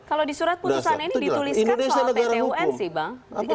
kalau di surat putusan ini dituliskan soal pt un sih bang